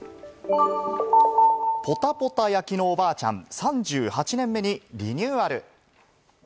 「ぽたぽた焼」のおばあちゃん、３８年目にリニューアル。